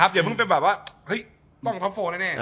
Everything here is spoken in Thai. เจอต้องกับท่อป๔ได้แน่